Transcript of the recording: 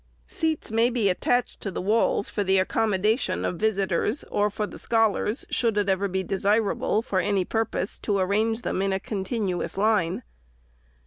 Seats may be attached to the walls for the accommodation of visitors, or for the scholars, should it ever be desirable, for any purpose, to arrange them in a continuous line.